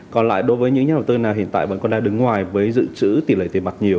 còn lại đối với những nhà đầu tư nào hiện tại vẫn còn đang đứng ngoài với dự trữ tỷ lệ tiền mặt nhiều